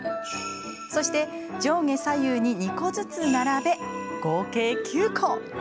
そして上下左右に２個ずつ並べ合計９個。